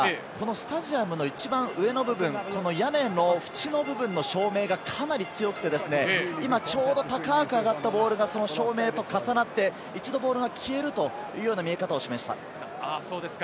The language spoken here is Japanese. スタジアムの一番上の部分、屋根の縁の部分の照明がかなり強くて、ちょうど高く上がったボールが照明と重なって、一度ボールが消えるというような見え方をしました。